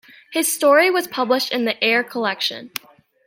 His story was published in the "Air" collection.